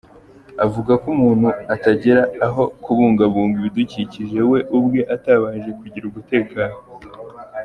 Avuga ko umuntu atagera aho kubungabunga ibidukikije we ubwe atabanje kugira umutekano.